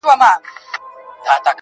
را روان په شپه كــــي ســـېــــــل دى_